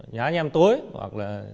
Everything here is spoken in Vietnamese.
nhá nhem tối hoặc là